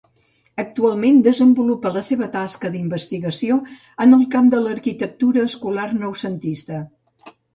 Actualment desenvolupa la seva tasca d'investigació en el camp de l'arquitectura escolar noucentista.